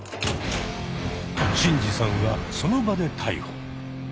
シンジさんはその場で逮捕。